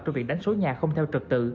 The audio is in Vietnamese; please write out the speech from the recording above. trong việc đánh số nhà không theo trật tự